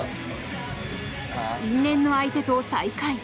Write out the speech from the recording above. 因縁の相手と再会。